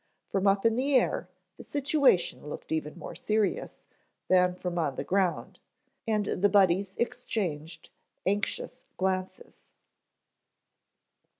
From up in the air the situation looked even more serious than from on the ground, and the Buddies exchanged anxious glances.